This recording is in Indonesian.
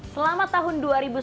selama tahun dua ribu sembilan belas